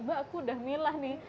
mbak aku udah milah nih